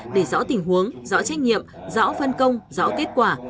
để rõ tình huống rõ trách nhiệm rõ phân công rõ kết quả